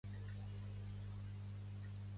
Fa olor de suor forta la Fátima.